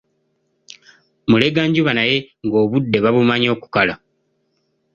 Mulenganjuba naye ng'obudde babumanyi okukala.